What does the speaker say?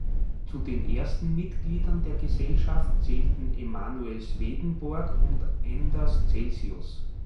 Zu den ersten Mitgliedern der Gesellschaft zählten Emanuel Swedenborg und Anders Celsius.